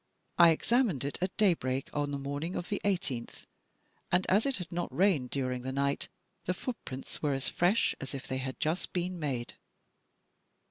I examined it at daybreak on the morning of the 1 8th and, as it had not rained during the night the footprints were as fresh as if they had just been made."